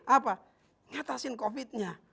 apa ngatasin covid nya